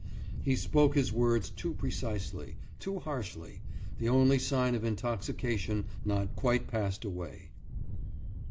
He spoke his words too precisely, too harshly the only sign of intoxication not quite passed away.